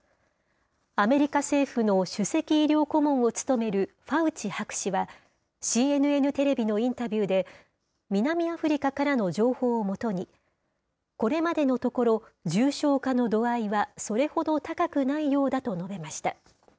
アメリカ政府の首席医療顧問を務めるファウチ博士は、ＣＮＮテレビのインタビューで、南アフリカからの情報を基に、これまでのところ、重症化の度合いは、それほど高くないようだと述べました。